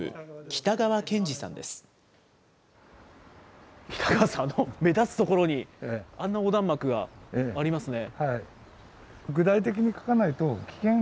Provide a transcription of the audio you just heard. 北川さん、目立つ所に、あんな横断幕がありますね。